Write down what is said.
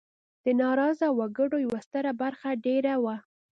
د ناراضه وګړو یوه ستره برخه دېره وه.